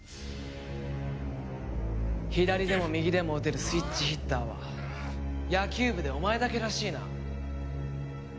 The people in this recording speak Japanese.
左でも右でも打てるスイッチヒッターは野球部でお前だけらしいな。